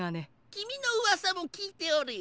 きみのうわさもきいておるよ。